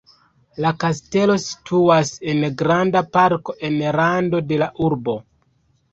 La kastelo situas en granda parko en rando de la urbo.